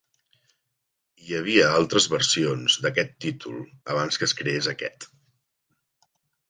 Hi havia altres versions d'aquest títol abans que es creés aquest.